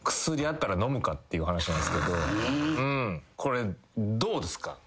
これどうですか？